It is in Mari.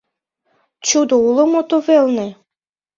Чудо уло мо тувелне?»